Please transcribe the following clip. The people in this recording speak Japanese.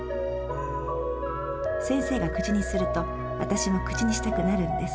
先生が口にすると私も口にしたくなるんです。